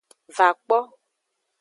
Va kpo.